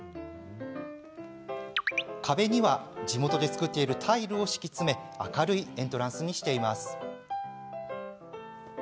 壁には地元で作っているタイルを敷き詰め、明るいエントランスにしています。